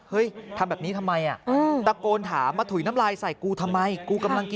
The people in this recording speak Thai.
เฮ้ยทำแบบนี้ทำไม